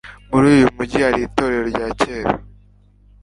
Muri uyu mujyi hari itorero rya kera.